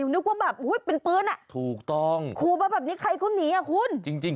นึกว่าแบบเป็นปืนอ่ะขู่มาแบบนี้ใครคุ้นหนีอ่ะคุณจริง